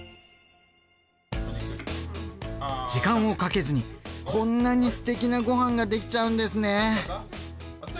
時間をかけずにこんなにすてきなごはんができちゃうんですね！